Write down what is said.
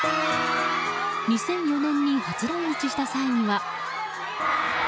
２００４年に初来日した際には。